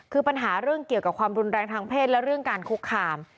คือปัญหาเรื่องเกี่ยวกับความรุนแรงทางเพศและเรื่องการคุกคาม